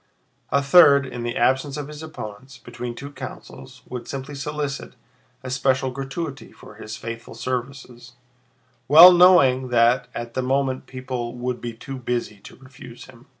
A third, in the absence of opponents, between two councils would simply solicit a special gratuity for his faithful services, well knowing that at that moment people would be too busy to refuse him.